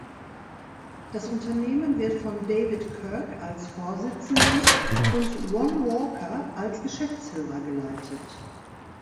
Das Unternehmen wird von David Kirk als Vorsitzendem und Ron Walker als Geschäftsführer geleitet.